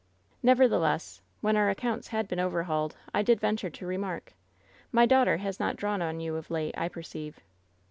Never theless, when our accounts had been overhauled, I did renture to remark: ii ( «3i£y daughter has not drawn on you of late, I per ceive."